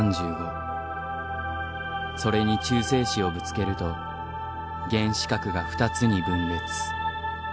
それに中性子をぶつけると原子核が２つに分裂。